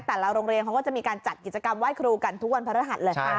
แต่ละโรงเรียนเขาก็จะมีการจัดกิจกรรมไหว้ครูกันทุกวันพระรหัสเลยค่ะ